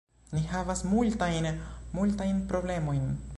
Ni havas multajn, multajn problemojn.